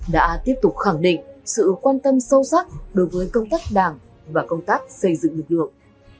đã tiếp tục khẳng định sự quan tâm sâu sắc đối với công tác đảng và công tác xây dựng lực lượng